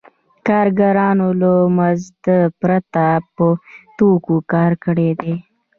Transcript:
کارګرانو له مزد پرته په توکو کار کړی دی